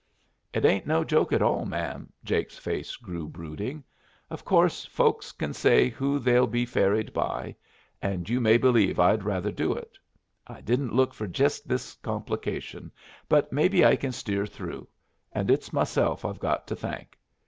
"It ain't no joke at all, ma'am." Jake's face grew brooding. "Of course folks kin say who they'll be ferried by. And you may believe I'd rather do it. I didn't look for jest this complication; but maybe I kin steer through; and it's myself I've got to thank.